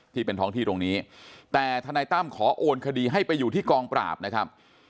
ที่เป็นท้องที่ตรงนี้แต่ทนายตั้มขอโอนคดีให้ไปอยู่ที่กองปราบนะครับ